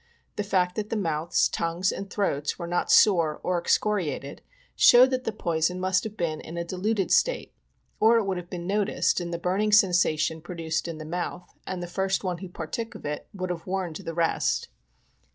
The fact that the mouths, tongues and throats were not sore or excoriated, showed that the poison must have been in a diluted state, or it would have been noticed in the burning sensation, produced in the mouth, and the first one who partook of it would have warned the rest.